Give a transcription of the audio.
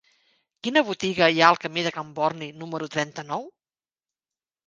Quina botiga hi ha al camí de Can Borni número trenta-nou?